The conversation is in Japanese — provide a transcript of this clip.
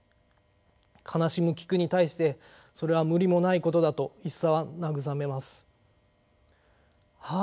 悲しむ菊に対してそれは無理もないことだと一茶は慰めます。